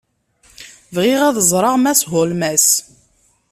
Bɣiɣ ad ẓreɣ Mass Holmes.